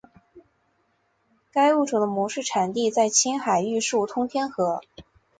该物种的模式产地在青海玉树通天河。